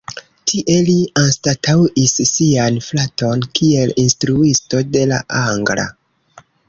Tie li anstataŭis sian fraton kiel instruisto de la angla.